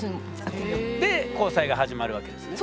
で交際が始まるわけですね。